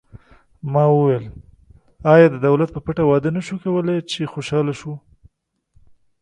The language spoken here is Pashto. ما وویل: آیا د دولت په پټه واده نه شو کولای، چې خوشحاله شو؟